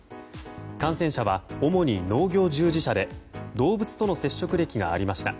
感染者は主に農業従事者で動物の接触歴がありました。